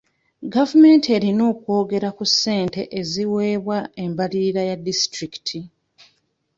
Gavumenti erina okwongera ku ssente eziweebwa embalirira ya disitulikiti.